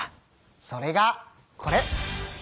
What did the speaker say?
それがこれ！